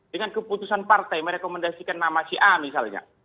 dengan keputusan partai merekomendasikan nama si a misalnya